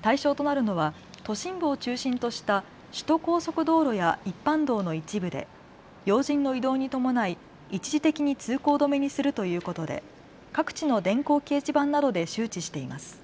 対象となるのは都心部を中心とした首都高速道路や一般道の一部で要人の移動に伴い一時的に通行止めにするということで各地の電光掲示板などで周知しています。